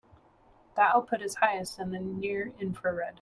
The output is highest in the near infrared.